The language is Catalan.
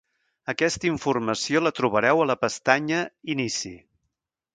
Aquesta informació la trobareu a la pestanya Inici.